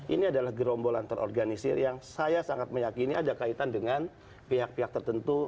ini adalah gerombolan terorganisir yang saya sangat meyakini ada kaitan dengan pihak pihak tertentu